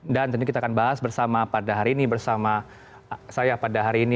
dan tentu kita akan bahas bersama pada hari ini bersama saya pada hari ini